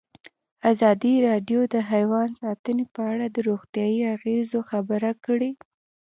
ازادي راډیو د حیوان ساتنه په اړه د روغتیایي اغېزو خبره کړې.